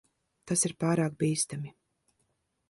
Tas ir pārāk bīstami.